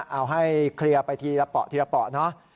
เอาให้เคลียร์ไปทีละเปาะทีละเปาะเนาะ